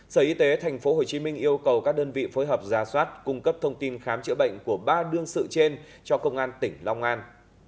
sở y tế tp hcm yêu cầu các đơn vị phối hợp ra soát cung cấp thông tin khám chữa bệnh của ba đương sự trên cho công an tỉnh long an